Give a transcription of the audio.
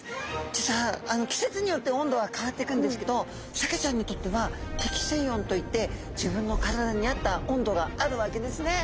実は季節によって温度は変わっていくんですけどサケちゃんにとっては適水温といって自分の体に合った温度があるわけですね。